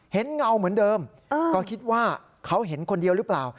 เงาเหมือนเดิมก็คิดว่าเขาเห็นคนเดียวหรือเปล่า